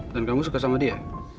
dan kamu suka sama dia